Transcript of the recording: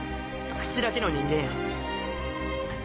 口だけの人間や